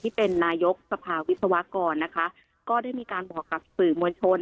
ที่เป็นนายกสภาวิศวกรนะคะก็ได้มีการบอกกับสื่อมวลชน